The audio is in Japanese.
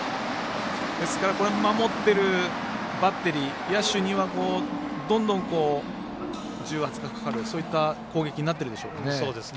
守ってるバッテリー野手にはどんどん重圧がかかるそういった攻撃になっているでしょうか。